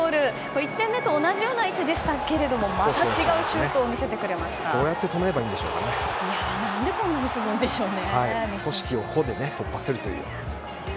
１点目と同じような位置でしたがまた違うシュートをどうやって何でこんなにすごいんでしょうね。